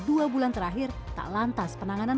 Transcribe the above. dua bulan terakhir tak lantas penanganan